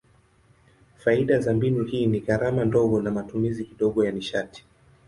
Faida za mbinu hii ni gharama ndogo na matumizi kidogo ya nishati.